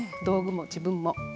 道具も自分も。